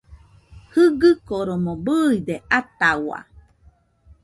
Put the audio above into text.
Jɨgɨkoromo bɨide atahau